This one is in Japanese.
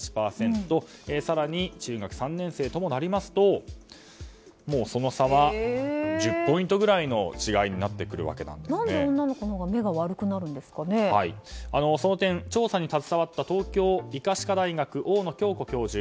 更に中学３年生ともなりますともうその差は１０ポイントぐらいの何で女の子のほうがその点、調査に携わった東京医科歯科大学、大野京子教授